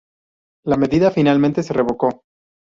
La medida finalmente se revocó.